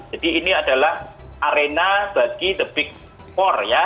jadi ini adalah arena bagi the big four ya